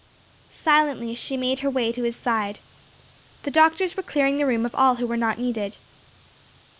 Silently she made her way to his side. The doctors were clearing the room of all who were not needed.